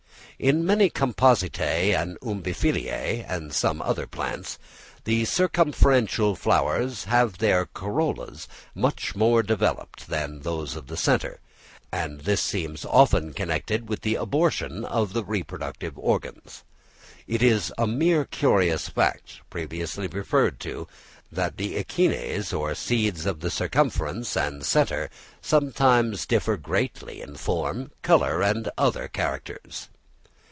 In many Compositæ and Umbelliferæ (and in some other plants) the circumferential flowers have their corollas much more developed than those of the centre; and this seems often connected with the abortion of the reproductive organs. It is a more curious fact, previously referred to, that the achenes or seeds of the circumference and centre sometimes differ greatly in form, colour and other characters.